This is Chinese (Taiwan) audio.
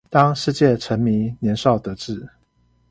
當世界沉迷年少得志